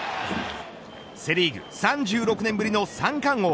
セ・リーグ３６年ぶりの三冠王へ。